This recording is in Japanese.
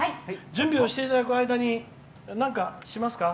準備をしていただく間になんかしますか？